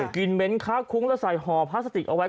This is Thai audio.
กินเม้นค้าคุ้งแล้วใส่ห่อพลาสติกเอาไว้